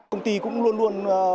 công ty cũng luôn luôn